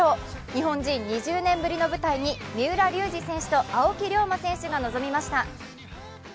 日本人２０年ぶりの舞台に三浦龍司選手と青木涼真選手が臨みました。